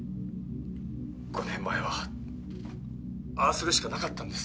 「５年前はああするしかなかったんです」